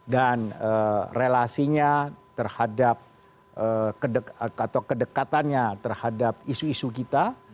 dan relasinya terhadap atau kedekatannya terhadap isu isu kita